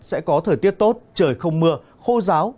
sẽ có thời tiết tốt trời không mưa khô giáo